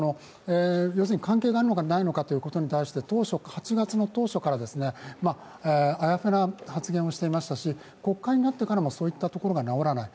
要するに関係があるのかないのかということに対して８月の当初からあやふやな発言をしていましたし、国会になってからもそういったところが直らない。